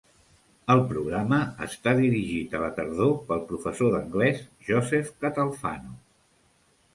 El programa està dirigit a la tardor pel professor d'anglès Joseph Catalfano.